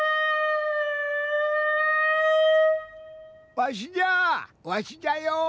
わしじゃわしじゃよ。